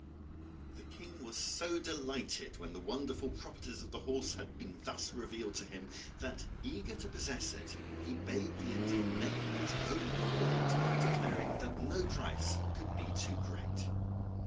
] The King was so delighted when the wonderful properties of the horse had been thus revealed to him, that, eager to possess it, he bade the Indian name his own reward, declaring that no price could be too great.